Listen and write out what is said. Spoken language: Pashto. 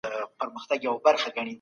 په خبرو کي به نرمي غوره کوئ.